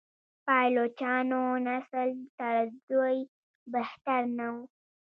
پایلوچانو نسل تر دوی بهتر نه و.